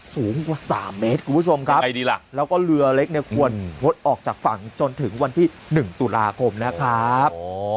สูงกว่า๓เมตรคุณผู้ชมครับยังไงดีล่ะแล้วก็เรือเล็กเนี่ยควรงดออกจากฝั่งจนถึงวันที่๑ตุลาคมนะครับ